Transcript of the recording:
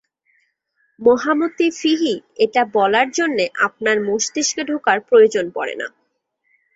মহামতি ফিহী, এটা বলার জন্যে আপনার মস্তিষ্কে ঢোকার প্রয়োজন পড়ে না।